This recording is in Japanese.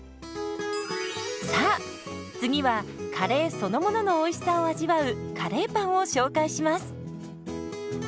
さあ次はカレーそのもののおいしさを味わうカレーパンを紹介します。